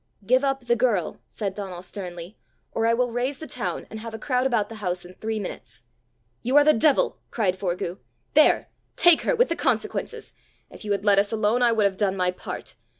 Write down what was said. "Give up the girl," said Donal sternly, "or I will raise the town, and have a crowd about the house in three minutes." "You are the devil!" cried Forgue. "There! take her with the consequences! If you had let us alone, I would have done my part.